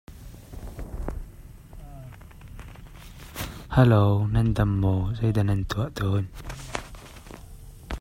Thing a pelh.